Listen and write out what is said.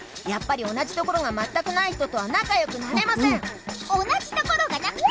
やっぱりおなじところがまったくないひととはなかよくなれません！